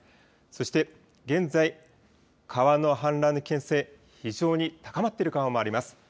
そして現在、川の氾濫の危険性、非常に高まっている川もあります。